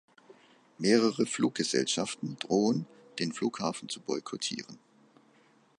Mehrere Fluggesellschaften drohen den Flughafen zu boykottieren.